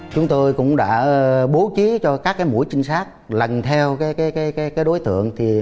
chúng tôi cũng đã bố trí cho các mũi trinh sát lần theo đối tượng